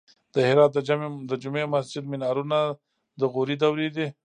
د هرات د جمعې مسجد مینارونه د غوري دورې دي